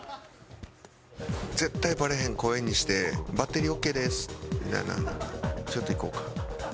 絶対バレへん声にして「バッテリーオーケーです」みたいなんちょっといこうか。